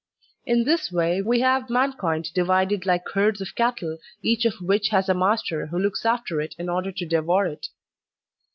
In this way we have man kind divided like herds of cattle, each of which has a master, who looks after it in order to devour it.